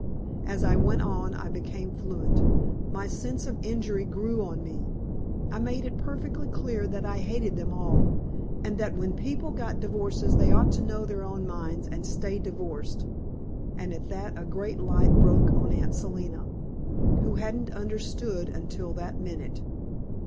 As I went on I became fluent; my sense of injury grew on me. I made it perfectly clear that I hated them all, and that when people got divorces they ought to know their own minds and stay divorced. And at that a great light broke on Aunt Selina, who hadn't understood until that minute.